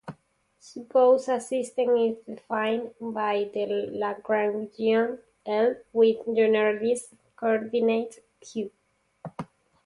Suppose a system is defined by the Lagrangian "L" with generalized coordinates "q".